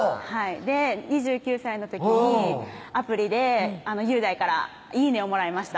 ２９歳の時にアプリで雄大から「イイね」をもらいました